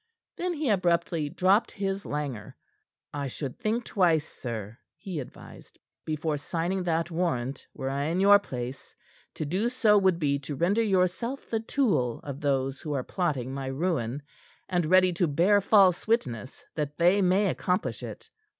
Then he abruptly dropped his languor. "I should think twice, sir," he advised, "before signing that warrant, were I in your place, to do so would be to render yourself the tool of those who are plotting my ruin, and ready to bear false witness that they may accomplish it.